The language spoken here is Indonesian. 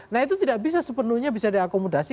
nah itu tidak bisa sepenuhnya bisa diakomodasi